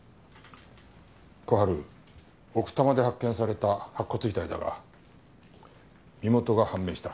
小春奥多摩で発見された白骨遺体だが身元が判明した。